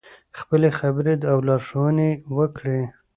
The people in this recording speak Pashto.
خپلې خبرې او لارښوونې یې وکړې.